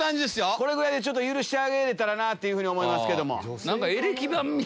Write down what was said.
これぐらいで許してあげれたらなっていうふうに思いますけども。